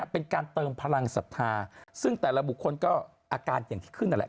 เป็นการเติมพลังศรัทธาซึ่งแต่ละบุคคลก็อาการอย่างที่ขึ้นนั่นแหละ